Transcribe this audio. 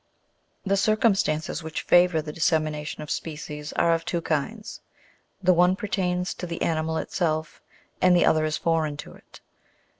The circumstances which favour the dissemination of species are of two kinds : the one pertains to the animal itself, and the other is foreign to it.